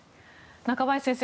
中林先生